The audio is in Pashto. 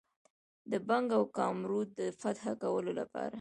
د بنګ او کامرود د فتح کولو لپاره.